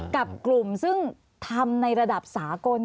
กับกลุ่มซึ่งทำในระดับสากล